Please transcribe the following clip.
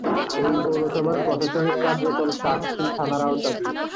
এ পৌরসভার প্রশাসনিক কার্যক্রম চাটখিল থানার আওতাধীন।